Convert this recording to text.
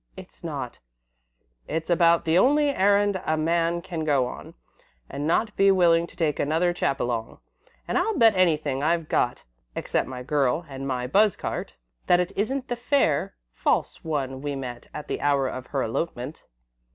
It's not " "It's about the only errand a man can go on, and not be willing to take another chap along. And I'll bet anything I've got, except my girl and my buzz cart, that it isn't the fair, false one we met at the hour of her elopement."